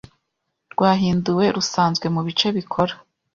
rwahinduwe rusanzwe mubice bikora